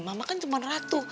mama kan cuman ratu